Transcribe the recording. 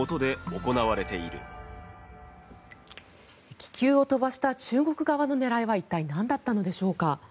気球を飛ばした中国側の狙いは一体なんだったのでしょうか。